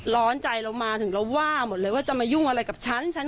ร้อนใจเรามาถึงเราว่าหมดเลยว่าจะมายุ่งอะไรกับฉัน